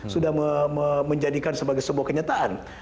sudah menjadikan sebagai sebuah kenyataan